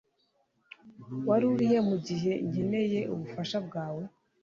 Wari urihe mugihe nkeneye ubufasha bwawe